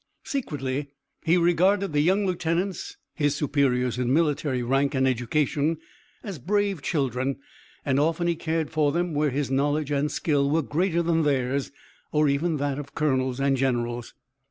Secretly he regarded the young lieutenants, his superiors in military rank and education, as brave children, and often he cared for them where his knowledge and skill were greater than theirs or even than that of colonels and generals.